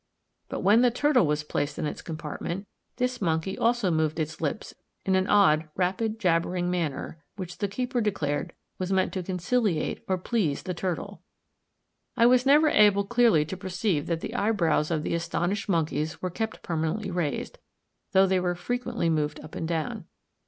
But when the turtle was placed in its compartment, this monkey also moved its lips in an odd, rapid, jabbering manner, which the keeper declared was meant to conciliate or please the turtle. I was never able clearly to perceive that the eyebrows of astonished monkeys were kept permanently raised, though they were frequently moved up and down.